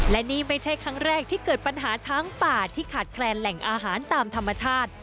และนี่ไม่ใช่ครั้งแรกที่เกิดปัญหาช้างป่าที่ขาดแคลนแหล่งอาหารตามธรรมชาติ